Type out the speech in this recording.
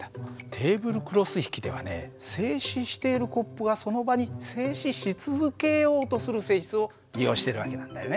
テーブルクロス引きではね静止しているコップがその場に静止し続けようとする性質を利用している訳なんだよね。